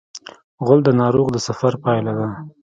غول د ناروغ د سفر پایله ده.